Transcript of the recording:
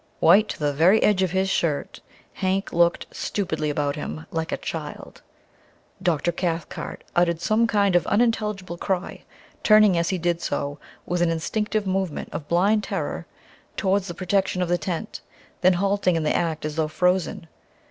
White to the very edge of his shirt, Hank looked stupidly about him like a child. Dr. Cathcart uttered some kind of unintelligible cry, turning as he did so with an instinctive movement of blind terror towards the protection of the tent, then halting in the act as though frozen.